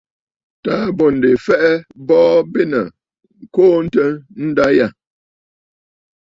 Taà bô ǹdè fɛʼɛ, bɔɔ bênə̀ ŋ̀kɔɔntə nda yâ.